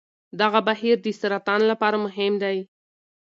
دغه بهیر د سرطان لپاره مهم دی.